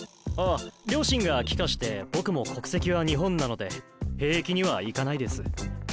あ両親が帰化して僕も国籍は日本なので兵役には行かないです。